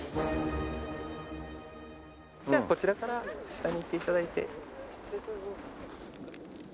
じゃあこちらから下に行って頂いて。